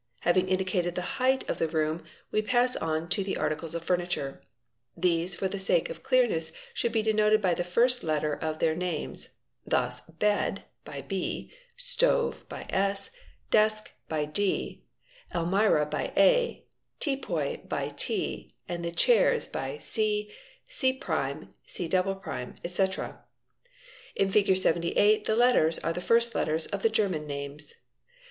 Having indicated the height of the — room we pass on to the articles of furniture. These for the sake of clear ness should be denoted by the first letter of their names, thus '* bed" by B, "stove" by S, "desk" by D, ''almirah" by A, " teapoy"" by — T, and the "chairs" by C',C";C", etc. In Fig. 78 the letters are the ~ first letters of the German names.